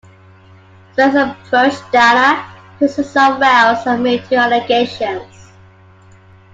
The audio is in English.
Smith approached Diana, Princess of Wales and made two allegations.